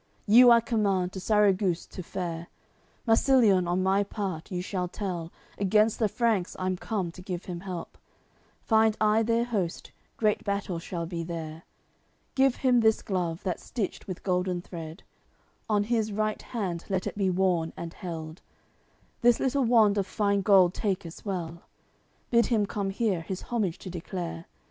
You I command to Sarraguce to fare. Marsiliun on my part you shall tell Against the Franks I'm come to give him help, Find I their host, great battle shall be there; Give him this glove, that's stitched with golden thread, On his right hand let it be worn and held; This little wand of fine gold take as well, Bid him come here, his homage to declare.